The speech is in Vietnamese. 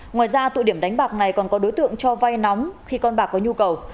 ngoài ra tụ điểm đánh bạc này còn có đối tượng cho vai nóng khi con bạc có nhu cầu